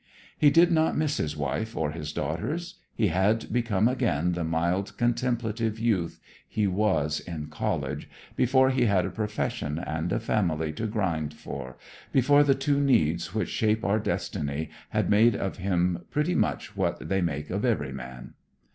He did not miss his wife or his daughters. He had become again the mild, contemplative youth he was in college, before he had a profession and a family to grind for, before the two needs which shape our destiny had made of him pretty much what they make of every man.